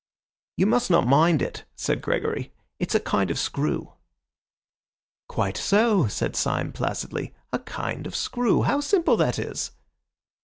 "You must not mind it," said Gregory; "it's a kind of screw." "Quite so," said Syme placidly, "a kind of screw. How simple that is!"